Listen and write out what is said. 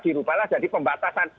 dirubahlah jadi pembatasan